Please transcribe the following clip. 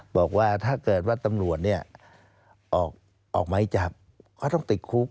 บอกว่าถ้าเกิดว่าตำรวจออกไม้จับก็ต้องติดคุก